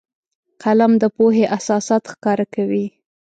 قلم د پوهې اساسات ښکاره کوي